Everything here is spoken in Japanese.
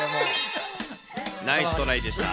ナイストライでした。